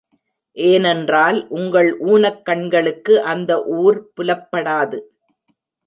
ஏனென்றால், உங்கள் ஊனக் கண்களுக்கு அந்த ஊர் புலப்படாது.